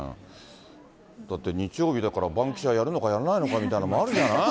だって日曜日だから、バンキシャ！やるのかやらないのかみたいなのもあるんじゃない？